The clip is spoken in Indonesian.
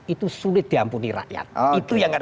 itu sulit diampuni rakyat